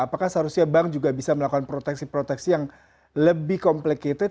apakah seharusnya bank juga bisa melakukan proteksi proteksi yang lebih complicated